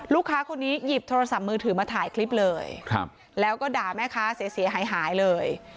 ลูกค้าคนนี้หยิบโทรศัพท์มือถือมาถ่ายคลิปเลยแล้วก็ด่าแม่ค้าเสียหายหายเลย